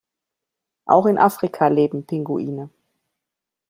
Auch in Afrika leben Pinguine.